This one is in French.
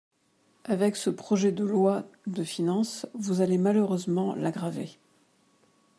Avec ce projet de loi de finances, vous allez malheureusement l’aggraver.